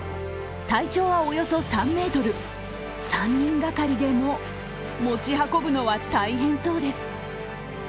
体長はおよそ３ｍ、３人がかりでも持ち運ぶのは大変そうです。